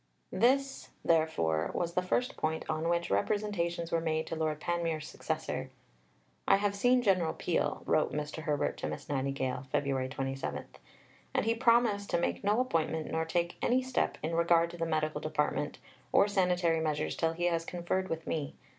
This, therefore, was the first point on which representations were made to Lord Panmure's successor. "I have seen General Peel," wrote Mr. Herbert to Miss Nightingale (Feb. 27), "and he promised to make no appointment nor to take any step in regard to the Medical Department or sanitary measures till he has conferred with me.